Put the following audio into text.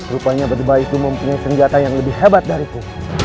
rupanya betul betul mempunyai senjata yang lebih hebat dariku